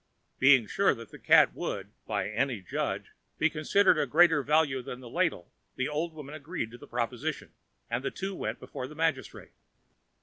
Being sure that the cat would, by any judge, be considered of greater value than the ladle, the old woman agreed to the proposition, and the two went before the magistrate.